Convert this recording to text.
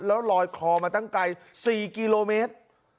แล้วลอยคอมาตั้งไกล๔กิโลเมตร